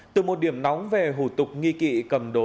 từ một điểm nóng về hủ tục nghi kỵ cầm đồ